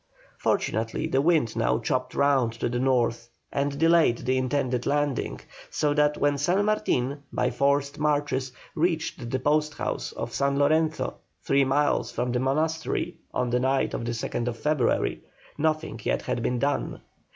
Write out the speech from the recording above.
Fortunately the wind now chopped round to the north and delayed the intended landing, so that when San Martin, by forced marches, reached the post house of San Lorenzo, three miles from the monastery, on the night of the 2nd February, nothing had yet been done.